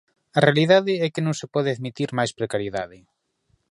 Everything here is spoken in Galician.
A realidade é que non se pode admitir máis precariedade.